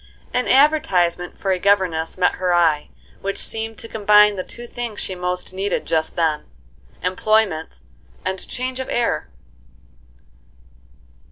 An advertisement for a governess met her eye, which seemed to combine the two things she most needed just then,—employment and change of air.